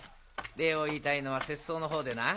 礼を言いたいのは拙僧のほうでな。